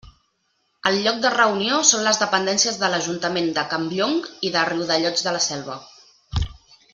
El lloc de reunió són les dependències de l'Ajuntament de Campllong i de Riudellots de la Selva.